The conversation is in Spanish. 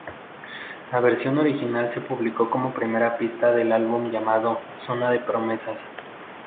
La versión original se publicó como primera pista del álbum llamado Zona de promesas.